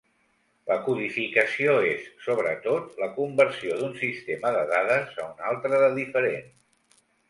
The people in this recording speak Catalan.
La codificació és, sobretot, la conversió d'un sistema de dades a un altre de diferent.